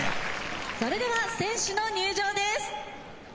それでは選手の入場です。